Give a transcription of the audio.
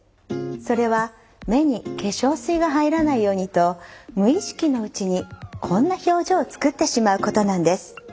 それは目に化粧水が入らないようにと無意識のうちにこんな表情を作ってしまうことなんです。